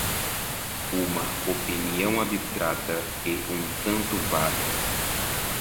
uma opinião abstrata e um tanto vaga